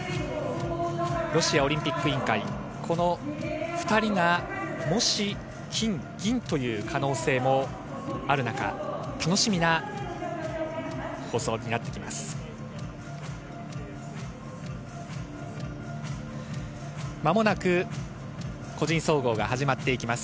ロシアオリンピック委員会、この２人がもし金、銀という可能性もある中、楽しみな放送になってきます。